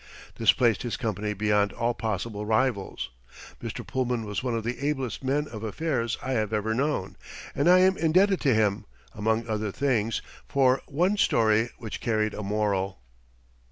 This placed his company beyond all possible rivals. Mr. Pullman was one of the ablest men of affairs I have ever known, and I am indebted to him, among other things, for one story which carried a moral.